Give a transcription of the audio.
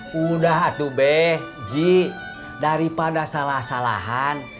sudah tuh be ji daripada salah salahan